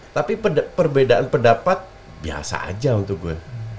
tapi perbedaan pendapat biasa aja untuk gue